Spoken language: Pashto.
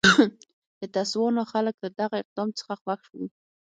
د تسوانا خلک له دغه اقدام څخه خوښ وو.